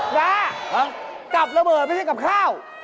นะกลับระเบิดไม่ใช่กลับข้าวนะครับ